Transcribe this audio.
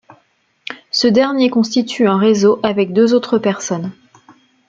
Ce dernier constitue un réseau avec deux autres personnes.